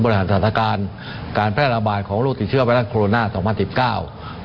บริหารสถานการณ์การแพร่ระบาดของโรคตีเชื่อไวรักษณ์โคลโลนา๒๐๑๙